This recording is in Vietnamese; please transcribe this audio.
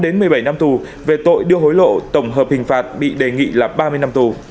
một mươi sáu một mươi bảy năm tù về tội đưa hối lộ tổng hợp hình phạt bị đề nghị là ba mươi năm tù